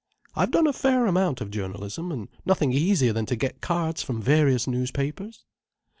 I've done a fair amount of journalism, and nothing easier than to get cards from various newspapers."